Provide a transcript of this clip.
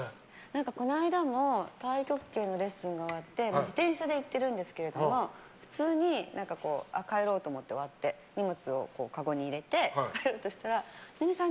この間も太極拳のレッスンが終わって自転車で行ってるんですけれども普通に帰ろうと思って終わって荷物をかごに入れて帰ろうとしたら寧々さん！